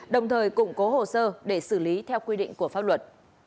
đồng thời củng cố hồ sơ để xử lý theo quy định của pháp luật